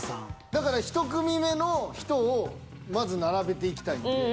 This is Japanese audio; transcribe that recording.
だから１組目の人をまず並べていきたいんで。